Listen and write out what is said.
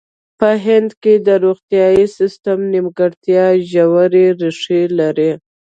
په هند کې د روغتیايي سیستم نیمګړتیا ژورې ریښې لري.